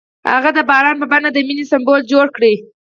هغه د باران په بڼه د مینې سمبول جوړ کړ.